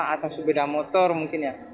atau sepeda motor mungkin ya